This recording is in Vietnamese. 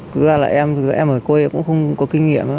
thực ra là em ở quê cũng không có kinh nghiệm